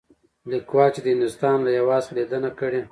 ليکوال چې د هندوستان له هـيواد څخه ليدنه کړى.